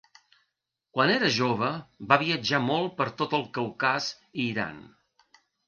Quan era jove va viatjar molt per tot el Caucas i Iran.